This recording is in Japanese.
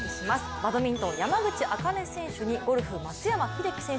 バドミントン・山口茜選手にゴルフ・松山英樹選手